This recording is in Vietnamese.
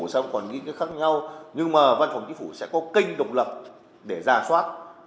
xong còn nghĩ khác nhau nhưng mà văn phòng chính phủ sẽ có kênh độc lập để giả soát